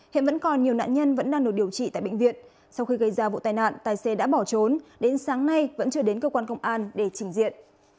hiện vẫn còn nhiều nạn nhân vẫn đang được điều trị tại bệnh viện sau khi gây ra vụ tai nạn tài xế đã bỏ trốn đến sáng nay vẫn chưa đến cơ quan công an để trình diện